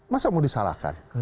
masa mau disalahkan